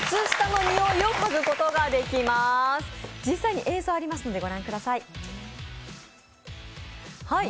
実際に映像がありますので御覧ください。